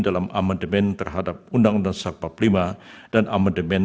dalam amendement terhadap undang undang sarpap v dan amendement